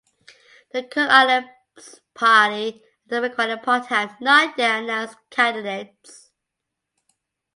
The Cook Islands Party and Democratic Party have not yet announced candidates.